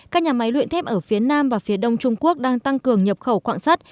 các nhà máy luyện thép ở phía nam và phía đông trung quốc đang tăng cường nhập khẩu quạng sắt